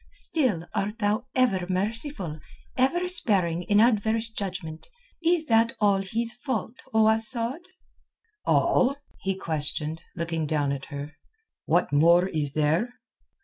"Still art thou ever merciful, ever sparing in adverse judgment. Is that all his fault, O Asad?" "All?" he questioned, looking down at her. "What more is there?"